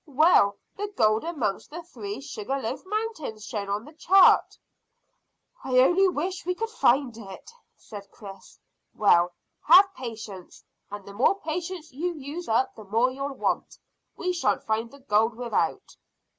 "Well, the gold amongst the three sugar loaf mountains shown on the chart." "I only wish we could find it," said Chris. "Well, have patience, and the more patience you use up the more you'll want. We shan't find the gold without."